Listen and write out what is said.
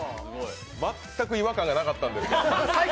全く違和感がなかったです。